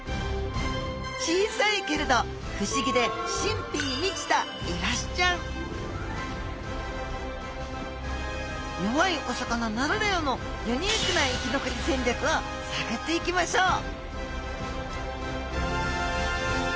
小さいけれど不思議で神秘に満ちたイワシちゃん弱いお魚ならではのユニークな生き残り戦略をさぐっていきましょう！